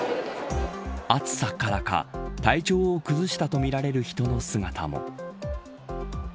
暑さからか体調を崩したとみられる人の姿も。